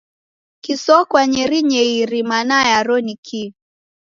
Kisokwa nyerinyeiri mana yaro ni kii?